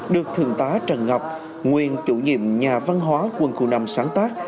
được thượng tá trần ngọc nguyên chủ nhiệm nhà văn hóa quân khu năm sáng tác